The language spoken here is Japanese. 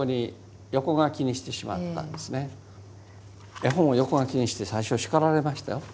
絵本を横書きにして最初は叱られましたよ